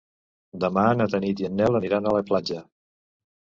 Demà na Tanit i en Nel aniran a la platja.